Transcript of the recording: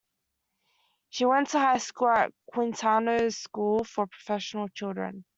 She went to high school at Quintano's School for Professional Children.